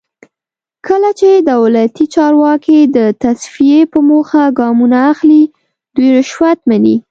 کله چې دولتي چارواکي د تصفیې په موخه ګامونه اخلي دوی رشوت مني.